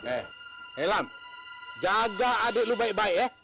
eh helam jaga adik lo baik baik ya